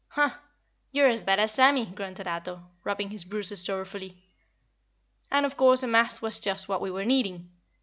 "Huh! you're as bad as Sammy," grunted Ato, rubbing his bruises sorrowfully. "And of course a mast was just what we were needing!